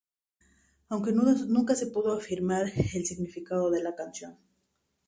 Aunque nunca se pudo afirmar el significado de la canción.